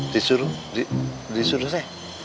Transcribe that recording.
disuruh disuruh saya